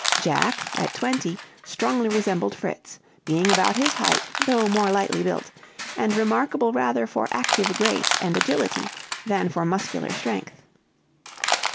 Jack, at twenty, strongly resembled Fritz, being about his height, though more lightly built, and remarkable rather for active grace and agility than for muscular strength.